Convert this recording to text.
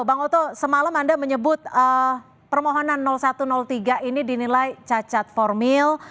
bang oto semalam anda menyebut permohonan satu ratus tiga ini dinilai cacat formil